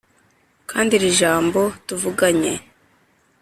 Kandi iri jambo tuvuganye